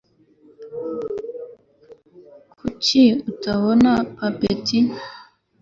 kuki utabona patenti